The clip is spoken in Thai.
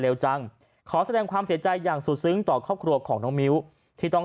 จังขอแสดงความเสียใจอย่างสุดซึ้งต่อครอบครัวของน้องมิ้วที่ต้อง